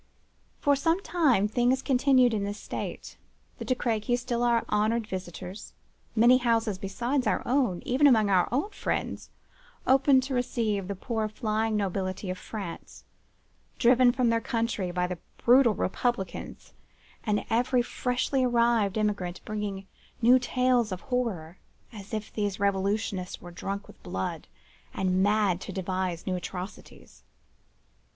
For some time things continued in this state—the De Crequys still our honoured visitors,—many houses besides our own, even among our own friends, open to receive the poor flying nobility of France, driven from their country by the brutal republicans, and every freshly arrived emigrant bringing new tales of horror, as if these revolutionists were drunk with blood, and mad to devise new atrocities.